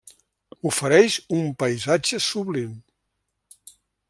Ofereix un paisatge sublim.